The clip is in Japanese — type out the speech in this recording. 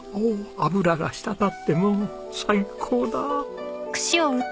脂が滴ってもう最高だ！